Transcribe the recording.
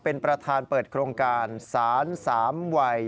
เป็นประธานเปิดโครงการสารสามวัย